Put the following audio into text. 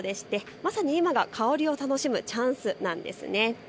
まさに今が香りを楽しむチャンスです。